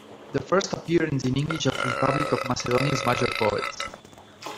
The first appearance in English of Republic of Macedonia's major poet.